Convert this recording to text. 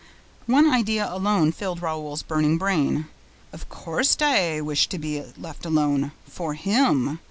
One idea alone filled Raoul's burning brain: of course, Daae wished to be left alone FOR HIM!